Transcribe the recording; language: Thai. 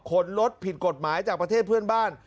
คนรถผิดกฎหมายจากประเทศเพื่อนบ้าน